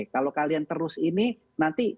kalau kalian terus ini nanti